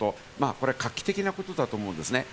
これは画期的なことだと思うんですね。